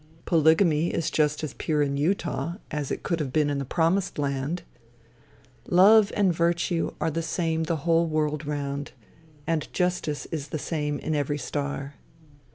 Polygamy is just as pure in Utah, as it could have been in the promised land. Love and Virtue are the same the whole world round, and Justice is the same in every star.